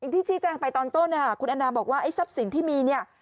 ที่ชี้แจงไปตอนต้นคุณแอนนาบอกว่าไอ้ทรัพย์สินที่มีเนี่ย